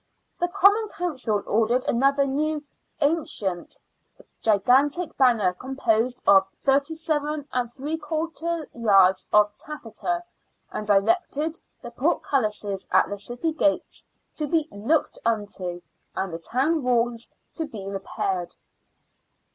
The Common Council ordered another new " ancient "— a gigantic banner composed of 37! yards of taffeta — and directed the portcullises at the city gates to be " looked unto," and the town walls to be repaired.